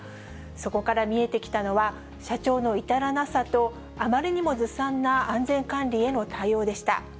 そこから見えてきたのは、社長の至らなさと、あまりにもずさんな安全管理への対応でした。